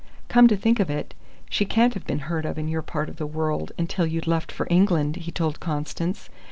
"Come to think of it, she can't have been heard of in your part of the world until you'd left for England," he told Constance.